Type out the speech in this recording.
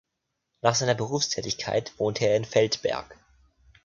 Nach seiner Berufstätigkeit wohnte er in Feldberg.